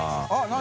△何？